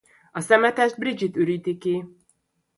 A szemetest Bridget üríti ki.